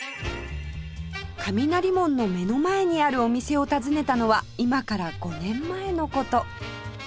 雷門の目の前にあるお店を尋ねたのは今から５年前の事